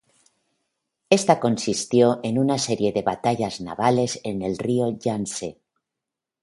Esta consistió en una serie de batallas navales en el río Yangtze.